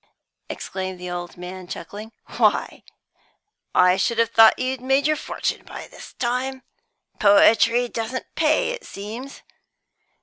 exclaimed the old man, chuckling. "Why, I should have thought you'd made your fortune by this time. Poetry doesn't pay, it seems?"